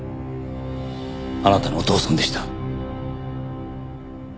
あなたのお父さんでした。